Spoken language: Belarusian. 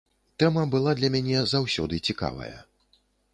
Тэма была для мяне заўсёды цікавая.